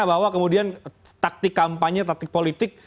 bahwa kemudian taktik kampanye taktik politik